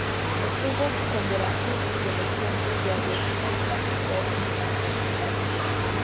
Obtuvo condecoraciones de los cuerpos de aviación de Francia, Estados Unidos y Perú.